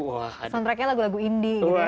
soundtrack nya lagu lagu indie gitu ya